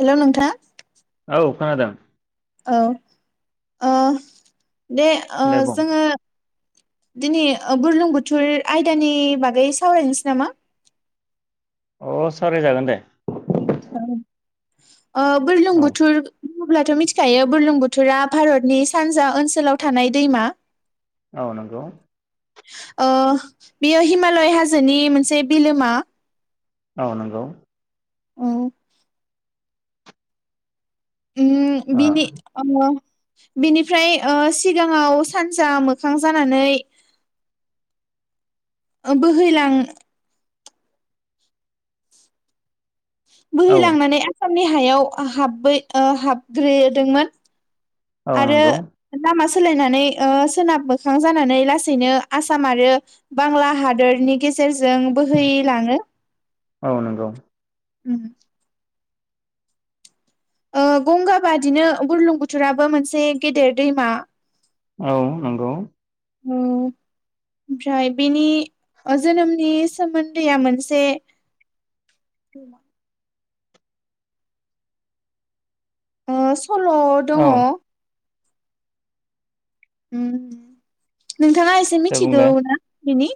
हेल नोंथां औ खोनादों औ ओ दे ओ दे बुं जोङो दिनै बुरलुं बुथुर आयदानि बागै सावरायनोसै नामा अ सावराय जागोन दे । औ ओ बोरलुं औ बुथुर अब्लाथ मिथिखायो बोरलुं बुथुरा भारतनि सानजा ओनसोलाव थानाय दैमा औ नंगौ अ बेयो हिमालय हाजोनि मोनसे बिलोमा । औ नंगौ । औ । उम ओ बिनि ओ बिनिफ्राय अ सिगाङाव सानजा मोखां जानानै बोहैलां औ बोहैलांनानै आसाम नि हायाव हाब हाबग्रोदोंमोन। औ आरो नंगौ लामा सोलायनानै ओ सोनाब मोखां जानानै लासैनो आसाम आरो बांला हादरनि गेजेरजों बोहैलाङो । औ नंगौ । उम। ओ गंगा बादिनो बुरलुंबुथुराबो मोनसे गेदेर दैमा। औ नंगौ। ओम फ्राय बेनि ओ जोनोमनि सोमोन्दैआ मोनसे ओ सल दङ। औ उम। नोंथाङा एसे दे मिथिगौ बुंलाय ना बिनि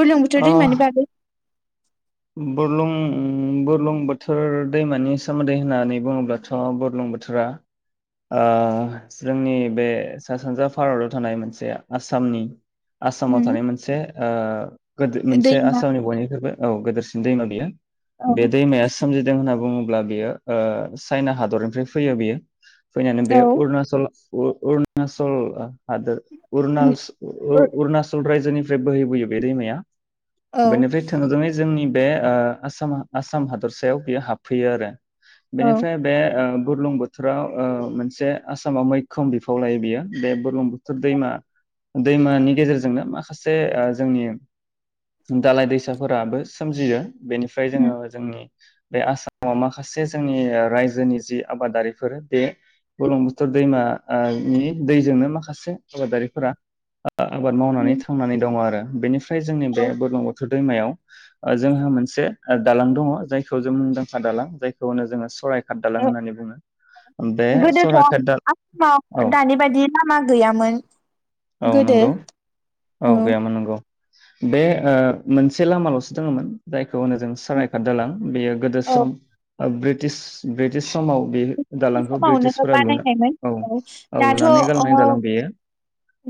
बुरलुंबुथुर दैमानि बागै बुरलुं-बुरलुंबुथुर दैमानि सोमोन्दै होननानै बुङोब्लाथ बुरलुं बुथुरा ओ जोंनि बे सा सानजा भारताव थानाय मोनसे आसामनि उम आसामाव थानाय मोनसे ओ गोदो मोनसे दैमा आसामनि बयनिख्रुइबो औ गोदो थिं दैमा गैया। बे औ दैमाया सोमजिदों होनना अब्ला बियो ओ चायना हादरनिफ्राय फैयो बेयो। फैनानै औ बेयो अरुनाचल उह-उरनासल हादोर। उम उरनारसल ओ उह उरनासल रायजोनिफ बे बोहैबोयो बे दैमाया। औ बेनिफ्राय थोंजोङै जोंनि बे ओह आसामा आसाम हादरसायाव बेयो हाबफैयोआरो। औ बेनिफ्राय बे ओह बुरलुंबुथुरा ओह मोनसे आसामाव मैखोम बिफावलायोबेयो बे बुर बुरलुंबुथुर दैमा। दैमानि गेजेरजोंनो माखासे ओह जोंनि दालाय दैसाफोराबो सोमजियो। बेनिफ्राय उम जोङो जोंनि बे आसामाव माखासे जोंनि ओह रायजोनि जि आबादारिफोर बे बुरलुंबुथुर दैमा ओह नि दैजोंनो माखासे आबादारिफोरा ओह आबाद मावनानै थांनानै दङ आरो बेनिफ्राय जोंनि औ बे ओ बुरलुंबुथुर दैमायाव जोंहा मोनसे [unintelligible] दालां दङ जायखौजों मुंदांखा दालां जायखौहोनो जोङो सराय [unintelligible] गोदोथ सरायघाट दालां आसामाव औ दानिबादि लामा गैयामोन औ गोदो। नंगौ औ गैयामोन नंगौ। बे ओह मोनसे लामालसो दोङोमोन जाय [unintelligible] होनोजों सरायघात दालां बेयो गोदोसम ओह ब्रिटिछ ब्रिटिछ। [unintelligible] बेसमावनो बानायनायमोन औ [unintelligible] औ दाथ लुनानै अह गालांनाय दालां बेयो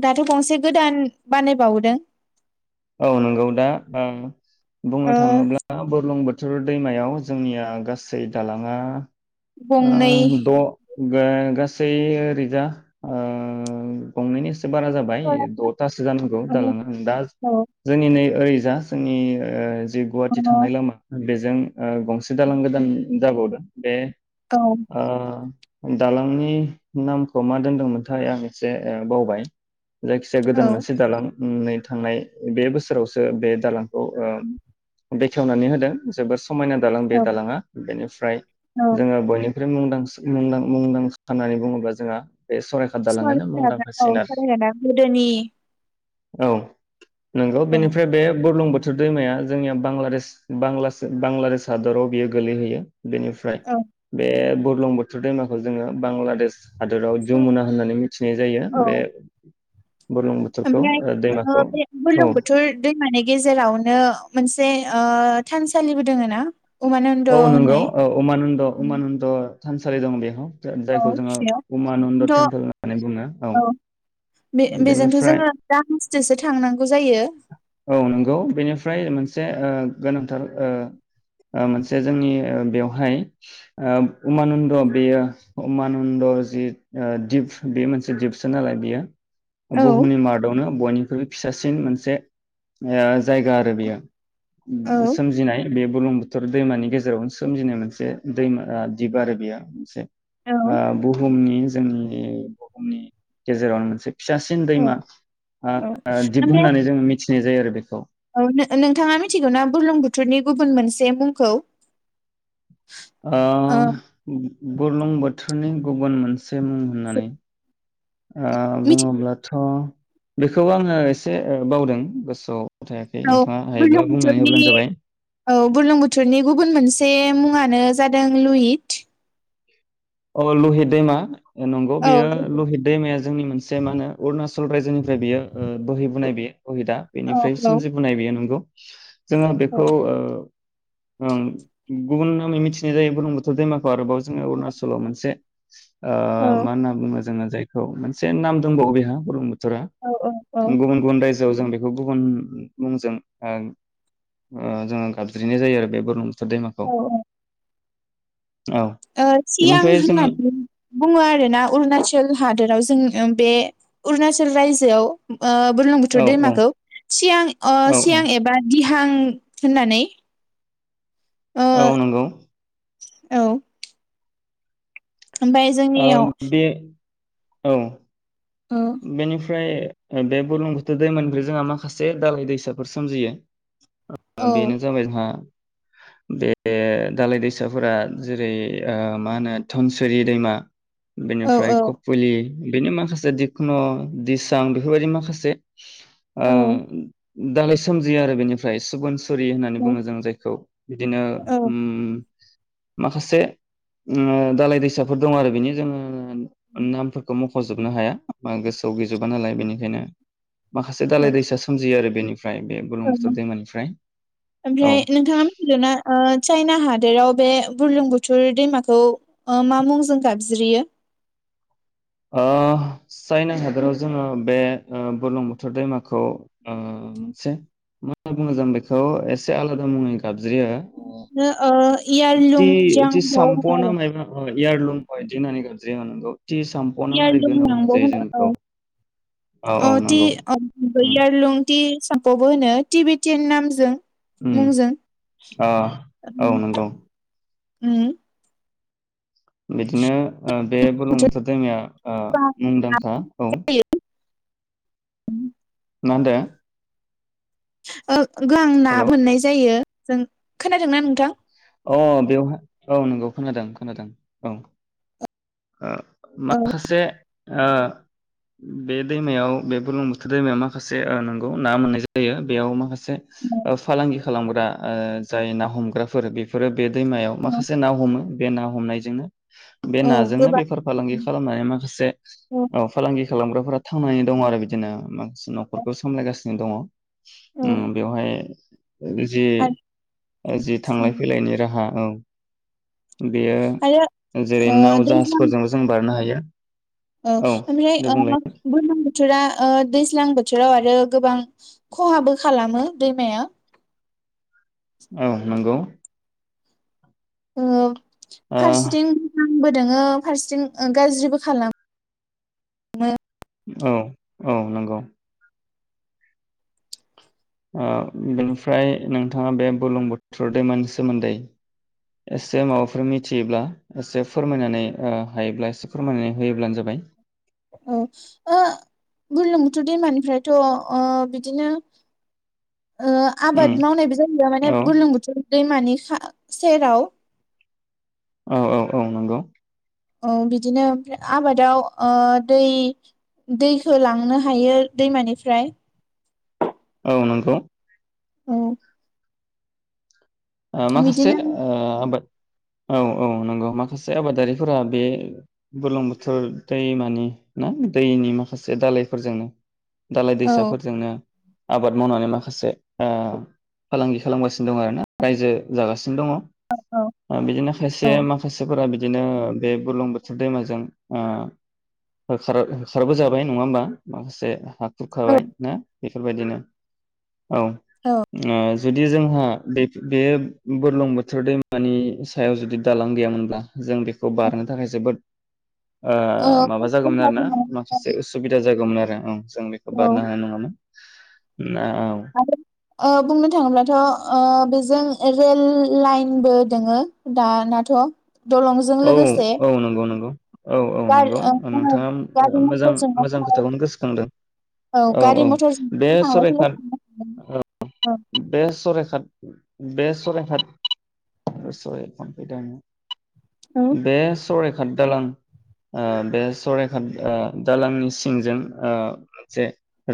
दाथ गंसे गोदान बानाय बाउदों। औ नंगौदा ओं। बुंनो ओ थाङोब्ला बुरलुंबुथ बाथुर दैमायाव जोंनिया गासै दालाङा गंनै ओह द। गोह गासै ओरैजा ओह गंनैनि से बाराजाबाय औ दथासो जानांगौ औ दालाङा [unintelligible] जोंनि नै ओरै जा जोंनि ओज गुवाहाटि थांनाय लामा बे जों ओ गंसे दालां गोदान जाबावदों बे औ ओ दालांनि नामखौ मा दोनदोंमोनथाय आं एसे बावबाय जायखिजाया गोदान मोनानसे दालां नै थांनाय बे बोसोरावसो बे दालां औ आ बे बेेखेवनानै होदों जोबोर स मायना दालां बे औ दालाङा बेनिफ्राय जोङो बयनि [unintelligible] मुंदांसि मुंदां मुंदांखा नाय होनानै बुङोब्ला जोंहा बे सरायघाट दालाङानो सरायघाटा मुंदांखासिन आरो [unintelligible] गोदोनि औ नंगौ औ बेनिफ्राय बे बुरलुंबुथुर थुर दैमाया जोंनिया बांलादेश बांलासो बांलादेश हादराव बियो गोलैहैयो बेनिफ्राय औ बे बुर्लंबुथुर दैमाखौ जोङो बांलादेश हादोराव जमुना होननानै मिथिनाय जायो बे औ बुर्लुंबुथुर खौ दैमाखौ औ बुर्लुंबुथुर दैमानि गेजेरावनो मोनसे ओ थानसालिबो दोङो ना? उमानन्द औ नंगौ होननाय औ उमानन्द उमानन्द थानसालि दं बेहाव। औ जायखौ जोङो बेयाव उमानन्द थ' टेम्पोल होननानै बुङो औ। बे बेजोंथ' बेनिफ्राय जोङो दा जोंसो थांनांगौ जायो औ नंगौ बेनिफ्राय मोनसे ओ गोनांथार ओ ओ मोनसे जोंनि ओ बेवहाय ओ उमानन्द बेयो उमानन्द जि दिप बे मोनसे दिपसो नालाय बेयो औ बुहुमनि मादावनो बयनिख्रुइबो फिसासिन मोनसे ओ जायगा आरो बेयो औ सोमजिनाय बे बुलुंबुथुर दैमानि गेजेरावनो सोमजिनाय मोनसे दैमा दिप आरो बेयो मोनसे औ आ बु बुहुमनि जोंनि बुहुमनि गेजेरावनो मोनसे फिसासिन औ दैमा ओ औ ओ दिप ओमफ्राय होननानै जोङो मि मिथिनाय जायो आरो बेखौ। औ नो-नोंथाङा मिथिगौ ना बुरलुंबुथुरनि गुबुन मोनसे मुंखौ? ओ बुरलुंबुथुरनि गुबुन मोन से मुं होननानै ओ मिथिगौ बुङोब्लाथ' बेखौ आङो एसे बावदों गोसोआव थायाखै औ नोंथाङा हायोब्ला बुंनानै होब्लानो बुरलुंबुथोरनि जाबाय औ बुरलुंबुथुरनि गुबुन मोनसे मुङानो जादों लहित अ लहित दैमा ए नंगौ औ बियो लहित दैमाया जोंनि मोनसे मा होनो अरुणाचल रायजोनिफ्राय बियो ओ बोहैबोनाय बेयो लहिदा बेनिफ्राय औ सोमजिबोनाय बेयो नंगौ। जोङो औ बेखौ ओ ओं गुबुन नामै मिथिनाय जायो बुरलुंबुथुर दैमाखौ आरोबाव। गोलाव मोनसे ओ औ मा होनना बुङो जोङो जायखौ मोनसे नाम दंबावो बेहा बुरलुंबु थुरआ। औ औ औ गुबुन गुबन राय जोआव जों बेखौ गुबुन मुंजों ओ ओ जोङो गाबज्रिनाय जायो आरो बे बुरलुंबु थुर दैमाखौ। औ औ ओ सियां बेनिफ्राय जोंनि होननाबो बुङो आरोना अरुणाचल हादोराव जोङो ओं बे अरुणचल रायजोआव ओ बुरलुंबुथुर औ औ दैमाखौ सियां अ औ औ सियां एबा दि बां होननानै ओ औ नंगौ औ ओमफ्राय ओ जोंनियाव बे औ औ बेनि फ्राय बे बुरलुंबुथुर दैमानिफ्राय जोंहा माखासे दालाय दैसाफोर सोमजियो। ओ औ बेनो जाबाय मा बे दालाय दैसाफोरा जेरै ओ मा होनो धनसुरि दैमा औ बेनिफ्राय औ कपुलि बेनि माखासे दि ख्न, दिसां बेफोरबायदि माखासे ओ औ दालाय सोमजियो आरो बेनिफ्राय सुबुन सुरि होननानै औ बुङो जों जायखौ, बिदिनो औ उम माखासे ओ दालाय दैसाफोर दं आरो बेनि जोङो नामफोरखौ म खजोबनो हाया। बा गोसोआव गैजोबा नालाय बेनिखायनो माखासे औ दालाय दैसा सोमजियो आरो बेनि औ, औ ओमफ्राय नोंथाङा मिथिगौ ना ओ चाइना हादोराव बे बुरलुंबुथुर दैमाखौ ओ मा मुंजों गाबज्रियो? अ चाइना हादोराव जोङो बे ओ बुरलुंबुथुर दैमाखौ ओ मोनसे मा होनना बुङो जों बेखौ एसे आलादा मुङै गाबज्रियो नो ओ इयारलुं जांप होनो आरो । अ इयारलुं अ इदि होननानै गाबज्रियो अ नंगौ । इयारलुं लांब होनो, औ औ टि अ उम इयारलुं टि साम्पबो होनो टिभटियान नामजों । उम अ औ नोंगौ । होम्म बिदिनो ओ बे बुरलुंबुथुर दैमाया ओ मुंदांखा औ । [inaudible] मा होनदो? ओ [unintelligible] ना हेलौ बोननाय जायो । जों खोनादोंना नोंथां? अ बेवहा औ नोंगौ खोनादों खोनादों औ ओ औ माखासे ओ बे दैमायाव बे बुरलुंबुथुर दैमायाव माखासे नंगौ ना मोननाय जायो बेयाव माखासे फालांगि खालामग्रा ओ जाय ना हमग्राफोर बे फोरो बे दैमायाव माखासे ना हमो बे ना हमनायजोंनो बे औ नाजोंनो गोबां बेफार फालांगि खालामनानै माखासे औ फालांगि खालामग्राफोरा थांनानै दं आरो बिदिनो नखरखौ सामलायगासि नो दङ । औ उम बेवहाय आरो जि जि थांलाय राहा औ आरो बेयो जेरै ओ नाव दैज्लां जाहाजफोरजों जों बारनो हायो [inaudible] औ ओमफ्राय दे बुंलाय ओ बुरलुंबु थुरा ओ दैज्लां बोथोराव आरो गोबां खहाबो खालामो दैमाया। औ नंगौ। ओ ओ फारसेथिं बो दोङो फारसेथिं ओ गाज्रिबो खालामो औ औ नंगौ। ओ बेनिफ्राय नोंथांङा बे बुलुं बुथुर दैमानि सोमोन्दै एसे माबाफोर मिथियोब्ला एसे फोरमायनानै ओ हायोब्ला एसे फोरमायनानै होयोब्लानो जाबाय। औ ओ बुरलुंबुथुर दैमानिफ्रायथ अ बिदिनो ओ उम आबाद मावनायबो जायो माने औ बुरलुंबुथुर दैमानि‌‌ सा सेराव। औ औ औ नंगौ औ बिदिनो ओमफ्राय आबादाव ओ‌ दै दैखौ लांनो हायो दैमानिफ्राय। औ नंगौ। औ ओ माखासे बिदिनो ओ आबाद औ औ नंगौ माखासे आबादारिफोरा बे बुरलुंबुथुर दैमानि ना दैनि माखासे दालायफोरजोंनो दालाय औ दैसाफोरजोंनो आबाद मावनानै माखासे ओ फालांगि खालामगासिनो दं आरो ना । रायजो जागासि दंङ औ ओ बिदिनो खायसे औ माखासेफोरा बि बिदिनो बे बुरलुंबुथुर दैमाजों ओ होखार होखारबोजाबाय नंङा होमबा माखासे हा बुरखाबाय ना बेफोरबायदिनो औ ओ जुदि जोंहा बे बे बुरलुंबुथुर दैमानि सायाव जुदि दालां गैयामोनब्ला जों बेखौ बारनो थाखाय जोबोद ओ औ माबा जागौमोन आरो ना माखासे उसुबिदा जागौमोन आरो दा उम्म जों बेखौ औ औ बारनो हानाय नंङामोन । ना [unintelligible] ओ बुंनो थाङोब्लाथ ओ बेजों ओ रेल लाइनबो दोङो दानाथ । औ औ औ नंगौ नंगौ । औ औ गारि नंगौ ओ नोंथाङा गारि मोजां मथरजोंबो मोजां थांलाय खोथाखौनो गोसोखांदों औ गारि औ मथरजों बे थांलाय फैलाय शराइखाट खालामनो औ हागोन बे शराय खाथ बे शरायखात सरि फन फैदों औ आंनाव बेसर दालां ओ बे सराइखाट ओ दालांनि सिंजों ओ मोनसे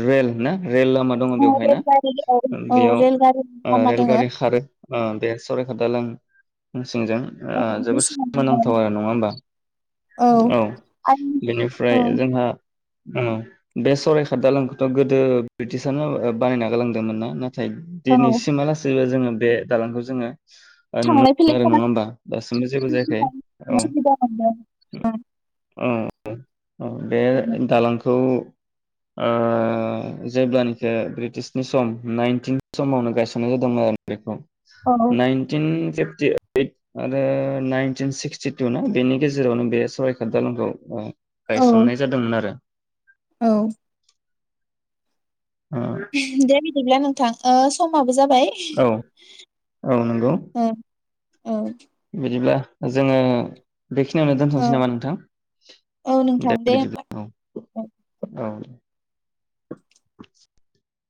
रेल ना रेल लामा दङ औ बेवहाय ना रेलगारि औ औ बेयाव रेलगारि लामा दोङो रेलगारि खारो । अ बे सरायघाट दालां सिंजों औ ओ जोबोद सोमोनांथाव आरो नङा होमबा औ आरो बेनिफ्राय औ जोंहा उम्म बे सरायघाट दालांखौथ गोदो ब्रिटिसानो बानायना गालांदोंमोन ना नाथाय औ दिनैसिमा लासैबो जोंङो बे दालांखौ जोंङो नुनो थांलाय मोनो फैलाय आरो खालामनो नङा थाखाय होमबा दासमबो जेबो जायाखै औ सुबिदा मोनदों अ बे दालांखौ ओ जेब्लानोखि ब्रिटिशनि सम नाइनटिन समावनो गायसननाय जादोंमोन आरो बेखौ औ । नाइनटिन [unintelligible] ओइद आरो नाइन नाइनटिन सिक्सटिटु ना बेनि गेजेरावनो बे सरायघाट दालांखौ ओ औ गायसननाय जादोंमोन आरो। औ। ओ दे- बिदिब्ला नोंथां ओ समाबो। जाबाय औ औ नंगौ ओ। औ। बिदिब्ला जोङो बेखिनियावनो औ दोनथसै नामा औ नोंथां नोंथां दे होमबा बिदिब्ला औ औ। [unintelligible]